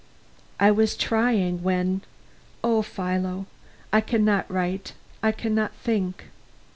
I was trying when O Philo, I can not write I can not think.